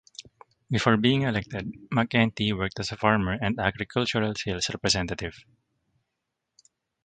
Before being elected, McEntee worked as a farmer and agricultural sales representative.